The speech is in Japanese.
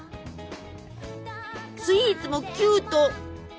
スイーツもキュート！